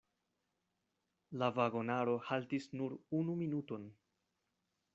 La vagonaro haltis nur unu minuton.